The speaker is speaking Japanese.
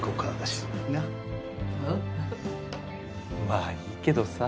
まあいいけどさ。